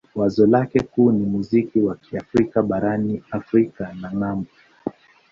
Wazo lake kuu ni muziki wa Kiafrika barani Afrika na ng'ambo.